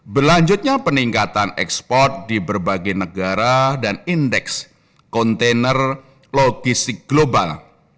berlanjutnya peningkatan ekspor di berbagai negara dan indeks kontainer logistik global